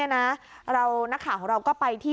นักข่าวของเราก็ไปที่